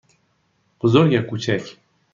بزرگ یا کوچک؟